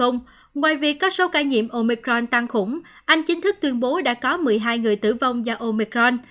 ngoài việc có số ca nhiễm omicron tăng khủng anh chính thức tuyên bố đã có một mươi hai người tử vong do omicron